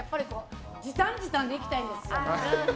時短、時短でいきたいんですよ。